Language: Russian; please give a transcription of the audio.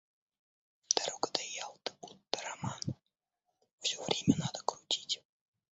Дорога до Ялты будто роман: все время надо крутить.